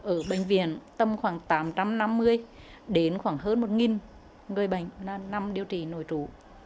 ở bệnh viện tầm khoảng tám trăm năm mươi đến khoảng hơn một người bệnh nằm điều trị nội trụ